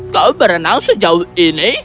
kau berenang sejauh ini